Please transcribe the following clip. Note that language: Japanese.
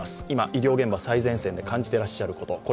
今医療現場、最前線で感じてらっしゃること